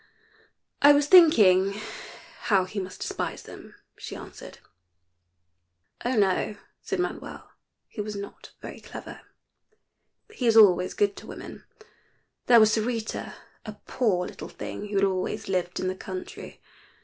"I was thinking how he must despise them," she answered. "Oh, no," said Manuel, who was not very clever; "he is always good to women. There was Sarita a poor little thing who had always lived in the country.